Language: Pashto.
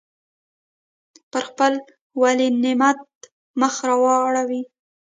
پر خپل ولینعمت مخ را اړوي.